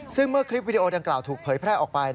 ซึ่งเมื่อคลิปวิดีโอดังกล่าวถูกเผยแพร่ออกไป